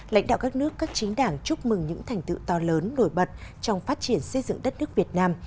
lãnh đạo các nước các chính đảng chúc mừng những thành tựu to lớn nổi bật trong phát triển xây dựng đất nước việt nam